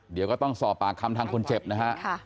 เดี๋ยวก็ต้องสอบปากคำทางคนเจ็บนะฮะ